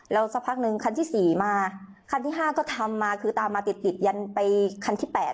แล้วสักพักหนึ่งคันที่๔มาคันที่๕ก็ทำมาคือตามมาติดติดยันไปคันที่๘